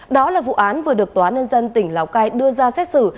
đó là vụ án vừa được tòa nhân dân tỉnh lào cai đưa ra xét xử